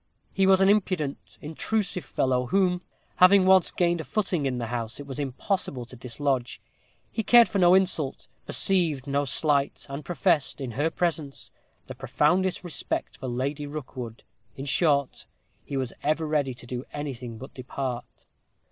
He was an impudent, intrusive fellow, whom, having once gained a footing in the house, it was impossible to dislodge. He cared for no insult; perceived no slight; and professed, in her presence, the profoundest respect for Lady Rookwood: in short, he was ever ready to do anything but depart.